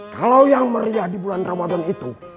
kalau yang meriah di bulan ramadan itu